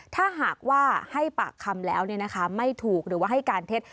ถ้าหากว่าให้ปากคำแล้วไม่ถูกหรือว่าให้การเท็จ